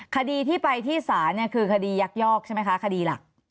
คดีที่ไปที่ศาลคือคดียักยอกใช่ไหมคะคดีหลัก